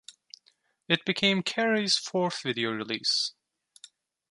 It became Carey's fourth video release.